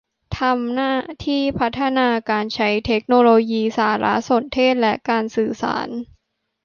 ทำหน้าที่พัฒนาการใช้เทคโนโลยีสารสนเทศและการสื่อสาร